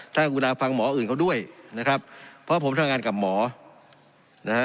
ถ้าคุณาฟังหมออื่นเขาด้วยนะครับเพราะผมทำงานกับหมอนะฮะ